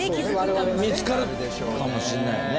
太田：見付かるかもしれないよね。